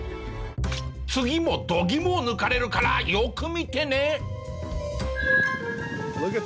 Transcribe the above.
次も度肝を抜かれるからよく見てね！